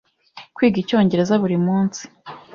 Kwiga Icyongereza buri munsi.